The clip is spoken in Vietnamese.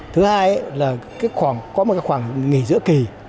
thứ hai là có một khoảng nghỉ giữa kỳ